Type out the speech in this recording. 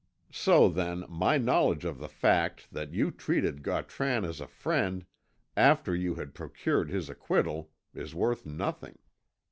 So, then, my knowledge of the fact that you treated Gautran as a friend after you had procured his acquittal is worth nothing.